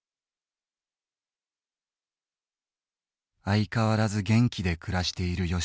「相変わらず元気で暮らしている由